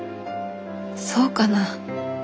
そうかな？